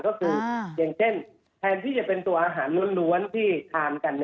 ก็คืออย่างเช่นแทนที่จะเป็นตัวอาหารล้วนที่ทานกัน